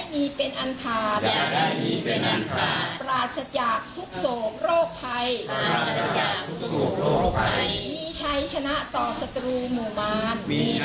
มาสัจจากทุกโสโรคไพรมีชัยชนะต่อสตรูหมู่มาร